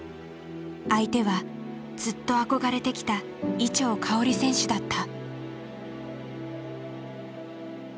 相手はずっと憧れてきた伊調馨選手だった。